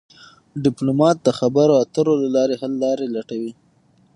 ډيپلومات د خبرو اترو له لارې حل لارې لټوي.